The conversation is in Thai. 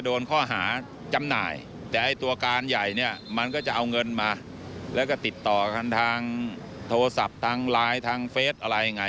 โทรศัพท์ทางไลน์ทางเฟสอะไรอย่างไร